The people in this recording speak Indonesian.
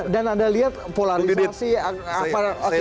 dan anda lihat polarisasi apa